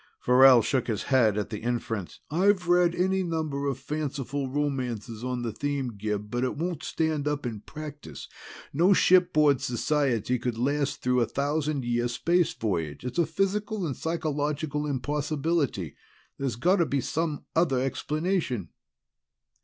Farrell shook his head at the inference. "I've read any number of fanciful romances on the theme, Gib, but it won't stand up in practice. No shipboard society could last through a thousand year space voyage. It's a physical and psychological impossibility. There's got to be some other explanation."